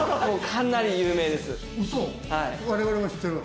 かなり有名です。